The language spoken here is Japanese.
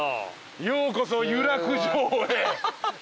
ようこそ湯楽城へ。